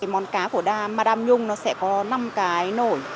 món cá của ma đam nhung sẽ có năm cái nổi